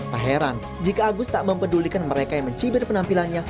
tak heran jika agus tak mempedulikan mereka yang mencibir penampilannya